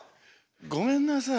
ごめんなさい。